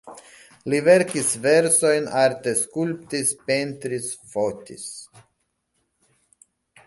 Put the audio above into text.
Li verkis versojn, arte skulptis, pentris, fotis.